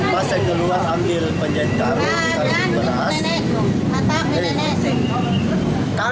pas saya keluar ambil penjajah karun